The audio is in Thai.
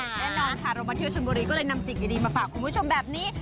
แน่นอนค่ะเรามาเที่ยวชนบุรีก็เลยนำสิ่งดีมาฝากคุณผู้ชมแบบนี้